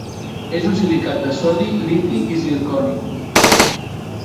És un silicat de sodi, liti i zirconi.